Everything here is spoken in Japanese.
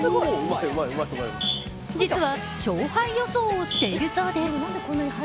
実は勝敗予想をしているそうです。